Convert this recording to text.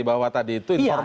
bahwa tadi itu informal